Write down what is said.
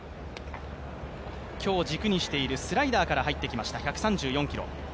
今日、軸にしているスライダーから入ってきました。